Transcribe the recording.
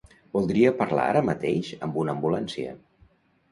Voldria parlar ara mateix amb una ambulància.